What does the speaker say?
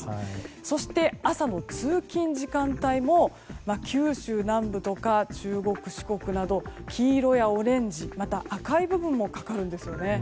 そして、朝の通勤時間帯も九州南部とか中国・四国など黄色やオレンジまた赤い部分もかかるんですね。